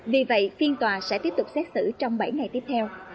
vì vậy phiên tòa sẽ tiếp tục xét xử trong bảy ngày tiếp theo